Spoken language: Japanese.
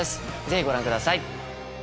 ぜひご覧ください。